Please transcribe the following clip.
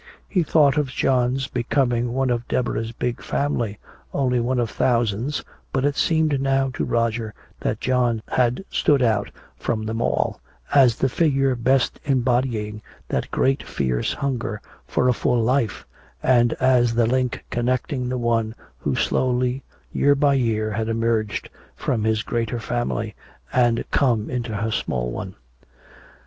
He thought of John's becoming one of Deborah's big family, only one of thousands, but it seemed now to Roger that John had stood out from them all, as the figure best embodying that great fierce hunger for a full life, and as the link connecting, the one who slowly year by year had emerged from her greater family and come into her small one.